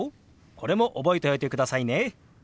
これも覚えておいてくださいね。